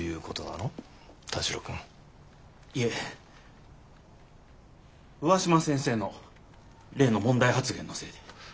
いえ上嶋先生の例の問題発言のせいで。